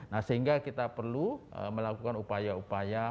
nah sehingga kita perlu melakukan upaya upaya